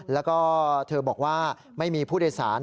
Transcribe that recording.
แล้วก็เธอบอกว่าไม่มีผู้โดยสาร